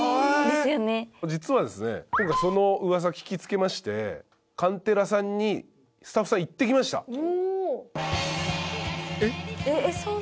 実はですね今回その噂聞き付けまして韓てらさんにスタッフさん行ってきました。